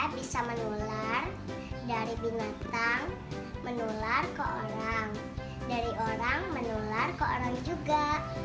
bisa menular dari binatang menular ke orang dari orang menular ke orang juga